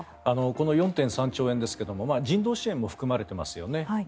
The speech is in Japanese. この４．３兆円ですが人道支援も含まれていますよね。